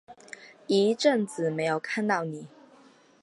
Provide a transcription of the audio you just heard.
一阵子没看到妳